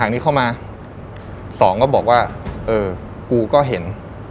วันนี้เขามา๒ก็บอกว่ากูก็เห็น